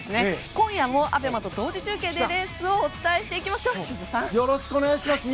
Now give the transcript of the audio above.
今夜もＡＢＥＭＡと同時中継でレースを伝えていきます。